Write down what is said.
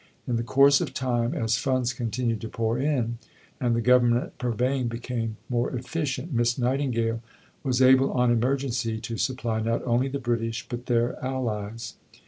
In the course of time, as funds continued to pour in, and the Government purveying became more efficient, Miss Nightingale was able on emergency to supply, not only the British, but their allies.